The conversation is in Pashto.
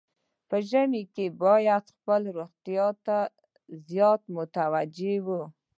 په ژمي کې باید خپلې روغتیا ته زیات متوجه وو.